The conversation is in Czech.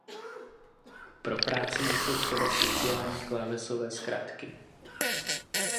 Pro práci nejsou třeba speciální klávesové zkratky.